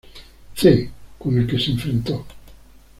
C., con el que se enfrentó.